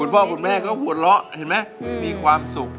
พ่อคุณแม่ก็หัวเราะเห็นไหมมีความสุข